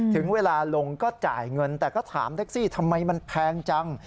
ถึงเวลาลงก็จ่ายเงินแต่ก็ถามแท็กซี่ทำไมมันแพงจัง